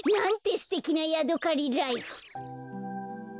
すてきなヤドカリライフ！